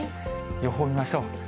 予報見ましょう。